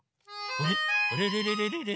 あれれれれれれ？